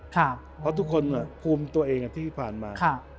เพราะทุกคนภูมิตัวเองที่ผ่านมา